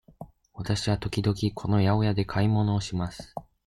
わたしは時々この八百屋で買い物をします。